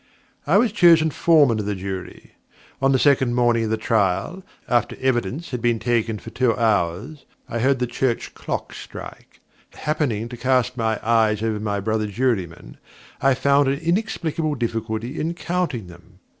I was chosen Foreman of the Jury. On the second morning of the trial, after evidence had been taken for two hours (I heard the church clocks strike), happening to cast my eyes over my brother jurymen, I found an inexplicable difficulty in counting them.